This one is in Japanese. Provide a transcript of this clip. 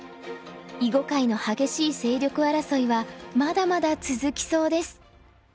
囲碁界の激しい勢力争いはまだまだ続きそうです。